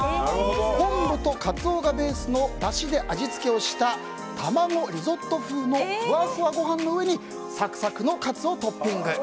昆布とカツオがベースのだしで味付けをした卵リゾット風のふわふわご飯の上にサクサクのカツをトッピング。